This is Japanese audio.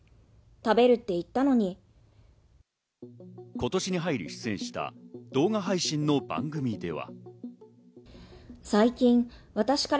今年に入り出演した動画配信の番組では。